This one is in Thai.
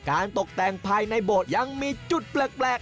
การตกแต่งภายในบดยังมีจุดแปลก